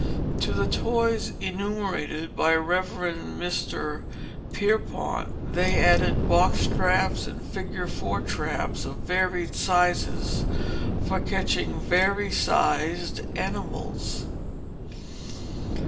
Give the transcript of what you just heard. To the toys enumerated by Rev. Mr. Pierpont, they added box traps and "figure 4" traps of various sizes for catching vari sized animals.